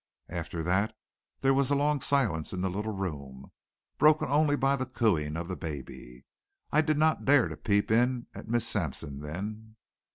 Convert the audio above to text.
After that there was a long silence in the little room, broken only by the cooing of the baby. I did not dare to peep in at Miss Sampson then.